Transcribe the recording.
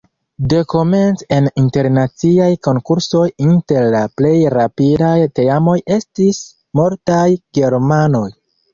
Dekomence en internaciaj konkursoj inter la plej rapidaj teamoj estis multaj germanoj.